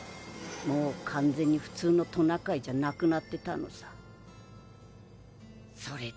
「もう完全に普通のトナカイじゃなくなってたのさ」